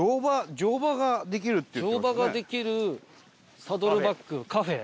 乗馬ができるサドルバックカフェ。